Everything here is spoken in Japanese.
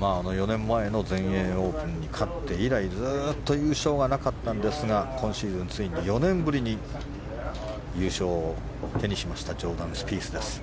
４年前の全英オープンに勝って以来ずっと優勝がなかったんですが今シーズン、ついに４年ぶりに優勝を手にしましたジョーダン・スピースです。